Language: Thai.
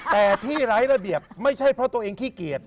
แต่ที่ไร้ระเบียบไม่ใช่เพราะตัวเองขี้เกียจ